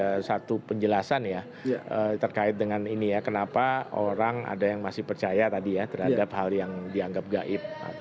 ada satu penjelasan ya terkait dengan ini ya kenapa orang ada yang masih percaya tadi ya terhadap hal yang dianggap gaib